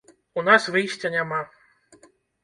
У нас выйсця няма.